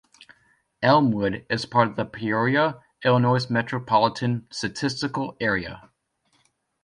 Elmwood is part of the Peoria, Illinois Metropolitan Statistical Area.